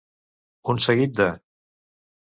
Un seguit de.